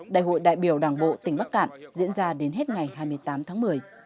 đại hội đại biểu đảng bộ tỉnh bắc cạn diễn ra đến hết ngày hai mươi tám tháng một mươi